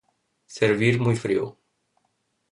Servir muy frío.